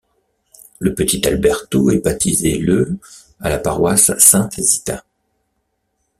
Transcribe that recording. Le petit Alberto est baptisé le à la paroisse Sainte-Zita.